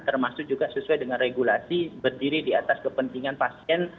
termasuk juga sesuai dengan regulasi berdiri di atas kepentingan pasien